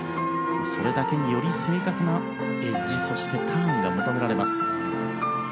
それだけにより正確なエッジそしてターンが求められます。